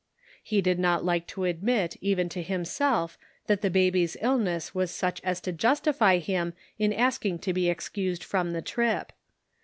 He did not like to admit even to himself that the baby's illness was such as to justify him in asking to be excused from the trip.